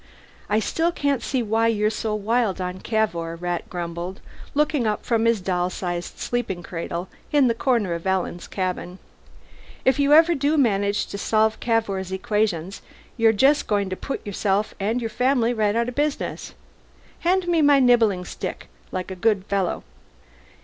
"I still can't see why you're so wild on Cavour," Rat grumbled, looking up from his doll sized sleeping cradle in the corner of Alan's cabin. "If you ever do manage to solve Cavour's equations you're just going to put yourself and your family right out of business. Hand me my nibbling stick, like a good fellow."